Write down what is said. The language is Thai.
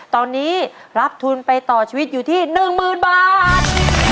ตอนนี้รับทุนไปต่อชีวิตอยู่ที่๑๐๐๐บาท